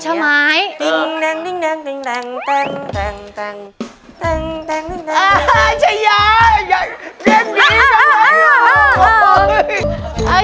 ชายยาอย่างเล่นดีอย่างไรอ่ะโอ้โห้ยโอ่ชายยา